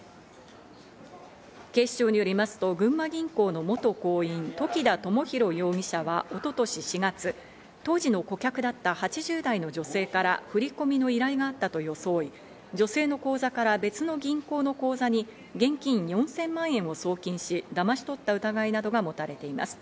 警視庁によりますと群馬銀行の元行員・時田知寛容疑者は一昨年４月、当時の顧客だった８０代の女性から振込の依頼があったと装い女性の口座から別の銀行の口座に現金４０００万円を送金し、だまし取った疑いなどが持たれています。